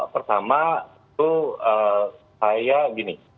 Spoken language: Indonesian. pertama itu saya gini